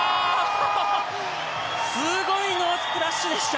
すごいノースプラッシュでした。